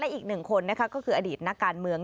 อีกหนึ่งคนนะคะก็คืออดีตนักการเมือง